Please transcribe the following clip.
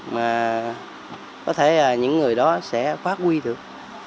mà có thể những người đó sẽ phát huy được